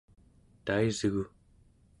taisgu